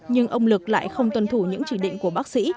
nhưng ông lực lại không tuân thủ những chỉ định của bác sĩ